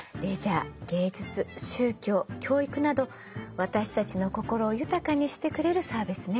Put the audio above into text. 芸術宗教教育など私たちの心を豊かにしてくれるサービスね。